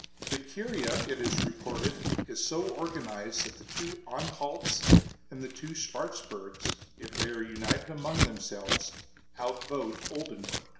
The Curia, it is reported, is so organized that the two Anhalts and the two Schwarzburgs, if they are united among themselves, outvote Oldenburg.